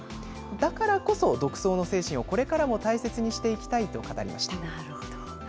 だからこそ、独創の精神をこれからも大切にしていきたいと語りまなるほど。